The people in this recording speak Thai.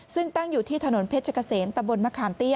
ซึ่งตั้งอยู่ที่ถนนเพชรเกษมตะบนมะขามเตี้ย